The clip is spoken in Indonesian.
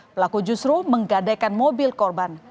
pelaku justru menggadekan mobil korban